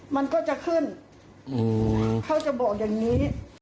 มันก็จะขึ้นเขาจะบอกอย่างนี้